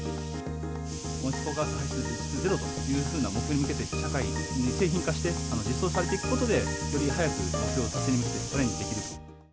温室効果ガス排出ゼロという目標に向けて、社会に製品化して、じっそう化されていくことで、より早く目標達成に向けてチャレ